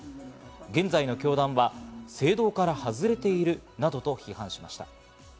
現在の教団は正道から外れているなどと批判しました。